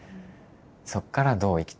そっからどう生きていくか。